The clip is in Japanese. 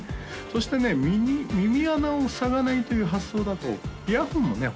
そしてね耳穴を塞がないという発想だとイヤフォンもね